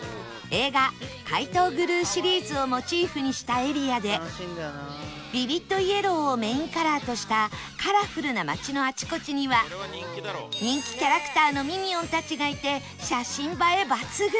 映画『怪盗グルー』シリーズをモチーフにしたエリアでビビッドイエローをメインカラーとしたカラフルな街のあちこちには人気キャラクターのミニオンたちがいて写真映え抜群！